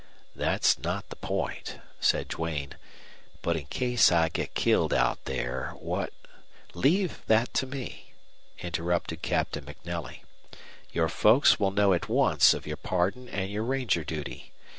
"That's not the point," said Duane. "But in case I get killed out there what " "Leave that to me," interrupted Captain MacNelly. "Your folks will know at once of your pardon and your ranger duty.